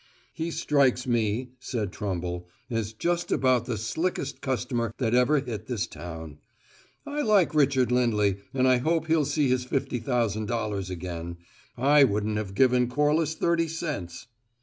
"He strikes me," said Trumble, "as just about the slickest customer that ever hit this town. I like Richard Lindley, and I hope he'll see his fifty thousand dollars again. I wouldn't have given Corliss thirty cents."